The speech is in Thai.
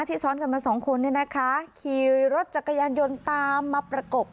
ซ้อนกันมาสองคนเนี่ยนะคะขี่รถจักรยานยนต์ตามมาประกบ